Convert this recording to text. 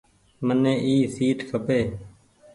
مني اي سيٽ کپي۔